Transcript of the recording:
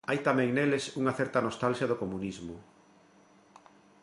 Hai tamén neles unha certa nostalxia do comunismo.